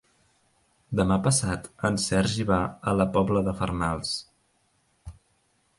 Demà passat en Sergi va a la Pobla de Farnals.